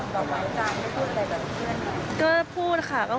ไว้ใจไม่พูดอะไรกับเพื่อนค่ะ